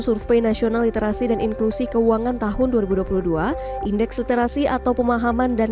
survei nasional literasi dan inklusi keuangan tahun dua ribu dua puluh dua indeks literasi atau pemahaman dan